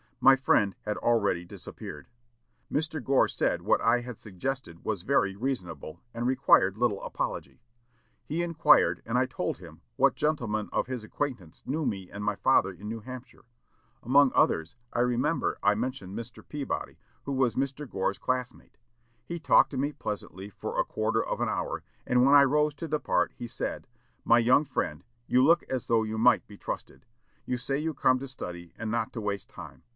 My friend had already disappeared. Mr. Gore said what I had suggested was very reasonable, and required little apology.... He inquired, and I told him, what gentlemen of his acquaintance knew me and my father in New Hampshire. Among others, I remember I mentioned Mr. Peabody, who was Mr. Gore's classmate. He talked to me pleasantly for a quarter of an hour; and, when I rose to depart, he said: 'My young friend, you look as though you might be trusted. You say you come to study, and not to waste time.